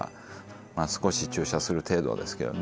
まあ少し注射する程度ですけどね